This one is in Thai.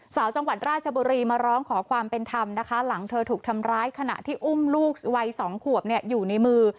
สาวจังหวัดราชบุรีมาร้องขอความเป็นธรรมนะคะหลังเธอถูกทำร้ายขณะที่อุ้มลูกวัยสองขวบอยู่ในมือ